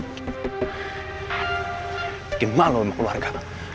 bikin malu keluarga